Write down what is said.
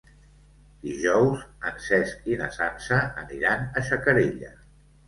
Dijous en Cesc i na Sança aniran a Xacarella.